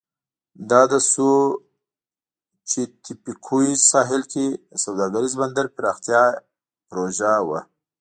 دا د سوچیتپیکویز ساحل کې د سوداګریز بندر پراختیا پروژه وه.